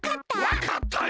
わかったよ！